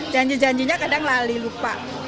janji janjinya kadang lali lupa